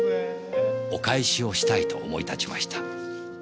お返しをしたいと思い立ちました。